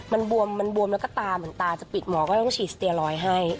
มันบวมมันบวมแล้วก็ตาเหมือนตาจะปิดหมอก็ต้องฉีดสเตียรอยด์ให้